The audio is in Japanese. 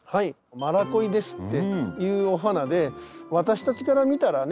マラコイデスっていうお花で私たちから見たらね